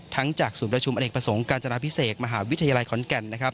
ทั้งจากสู่ประชุมอลิกประสงค์การจราพิเศษมหาวิทยาลัยขอนแก่น